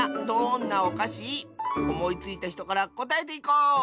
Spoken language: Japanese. どんなおかし？おもいついたひとからこたえていこう！